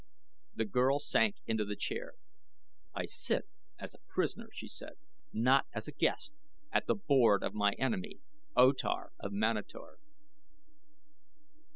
The girl sank into the chair. "I sit as a prisoner," she said; "not as a guest at the board of my enemy, O Tar of Manator."